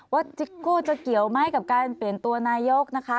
จิกกู้จะเกี่ยวไหมกับการเปลี่ยนตัวนายกนะคะ